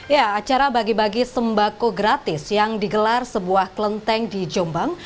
ya acara bagi bagi sembako gratis yang digelar sebuah kelenteng di jombang